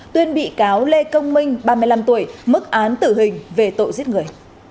tuyên bị cáo lê công minh ba mươi năm tuổi mức án tử hình về tội giết người